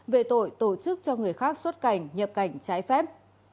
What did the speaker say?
về tội tổ chức cho người khác xuất cảnh nhập cảnh trái phép